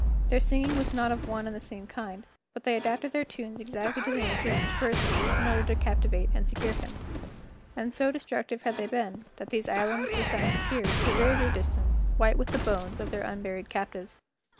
Their singing was not of one and the same kind, but they adapted their tunes exactly to the nature of each person, in order to captivate and secure him. And so destructive had they been, that these islands of the Sirens appeared, to a very great distance, white with the bones of their unburied captives.